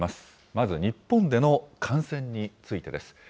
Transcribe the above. まず日本での感染についてです。